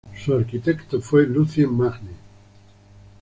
Su arquitecto fue Lucien Magne.